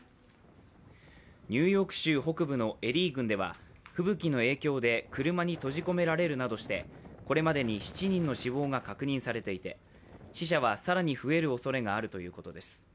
ニューヨーク州北部のエリー郡では吹雪の影響で車に閉じ込められるなどしてこれまでに７人の死亡が確認されていて死者は更に増えるおそれがあるということです。